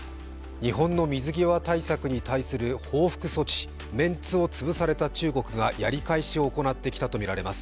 日本の水際対策に対する報復措置、メンツをつぶされた中国がやり返しを行ってきたとみられます。